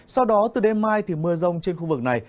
sau đó từ đêm mai thì mưa rông trên khu vực này